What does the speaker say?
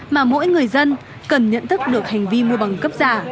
mà mỗi người dân cần nhận thức được hành vi mua bằng cấp giả